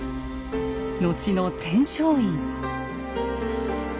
後の天璋院。